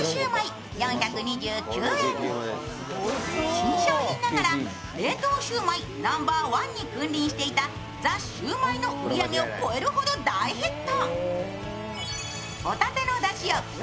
新商品ながら冷凍焼売ナンバーワンに君臨していたザ★シュウマイの売り上げを超えるほど大ヒット。